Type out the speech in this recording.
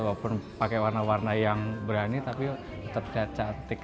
walaupun pakai warna warna yang berani tapi terlihat cantik